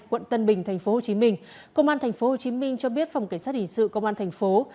quận tân bình tp hcm công an tp hcm cho biết phòng cảnh sát hình sự công an thành phố